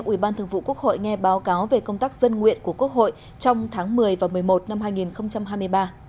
ủy ban thường vụ quốc hội nghe báo cáo về công tác dân nguyện của quốc hội trong tháng một mươi và một mươi một năm hai nghìn hai mươi ba